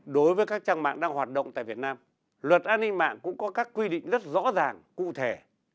đối với các trang mạng đang hoạt động tại việt nam luật an ninh mạng cũng có các quy định rất rõ ràng cụ thể